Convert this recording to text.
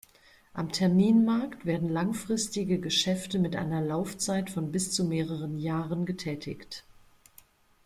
Am Terminmarkt werden langfristige Geschäfte mit einer Laufzeit von bis zu mehreren Jahren getätigt.